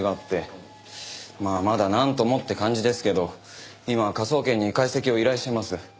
まあまだなんともって感じですけど今科捜研に解析を依頼しています。